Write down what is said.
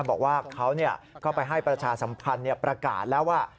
บอกว่าเขาก็ไปให้ประชาสัมพันธ์ประกาศแล้วว่า